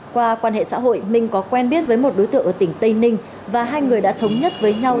qua quan hệ xã hội minh có quen biết với một đối tượng ở tỉnh tây ninh và hai người đã thống nhất với nhau